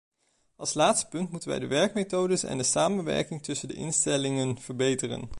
Als laatste punt moeten wij de werkmethodes en de samenwerking tussen de instellingen verbeteren.